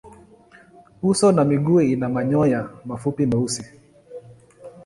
Uso na miguu ina manyoya mafupi meusi.